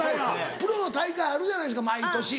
プロの大会あるじゃないですか毎年。